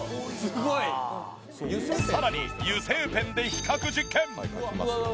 さらに油性ペンで比較実験。